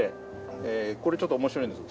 これちょっと面白いんです。